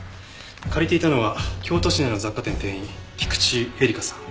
借りていたのは京都市内の雑貨店店員菊池江梨花さん。